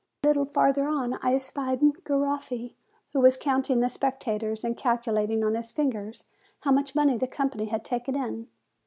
A little farther on I espied Garoffi, who was counting the spectators, and calculating on his fingers how much money the company had taken in.